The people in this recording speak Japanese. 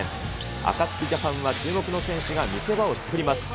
アカツキジャパンは注目の選手が見せ場を作ります。